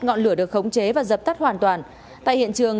ngọn lửa được khống chế và dập tắt hoàn toàn tại hiện trường